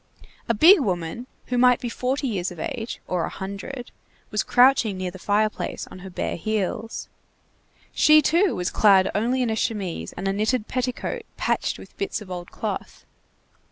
A big woman, who might be forty years of age, or a hundred, was crouching near the fireplace on her bare heels. She, too, was clad only in a chemise and a knitted petticoat patched with bits of old cloth.